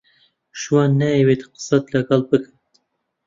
شوان نایەوێت قسەت لەگەڵ بکات.